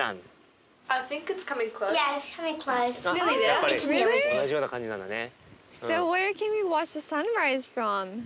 やっぱり同じような感じなんだね。